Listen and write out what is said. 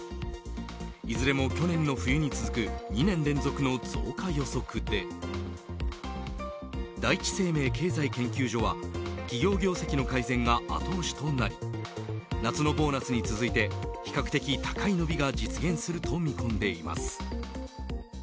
いずれも去年の冬に続く２年連続の増加予測で第一生命経済研究所は企業業績の改善が後押しとなり夏のボーナスに続いて比較的高い伸びが実現すると見込んでいます。